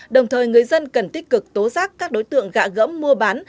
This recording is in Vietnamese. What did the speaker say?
đồng thời người dân cần tích cực tố giác các đối tượng gạ gẫm mua bán